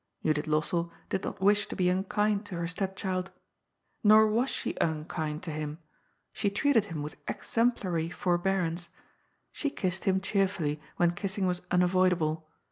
Judith Lossell did not wish to be unkind to her step child. Nor was she unkind to him. She treated him with exemplary forbearance. She kissed him cheerfully, when kissing was unavoidable.